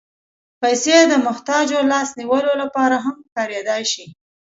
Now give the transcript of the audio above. پېسې د محتاجو لاس نیولو لپاره هم کارېدای شي.